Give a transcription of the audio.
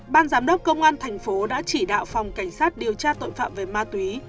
ban giám đốc công an thành phố đã chỉ đạo phòng cảnh sát điều tra tội phạm về ma túy